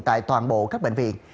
tại toàn bộ các bệnh viện